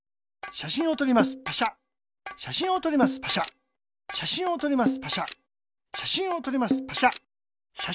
しゃしんをとります。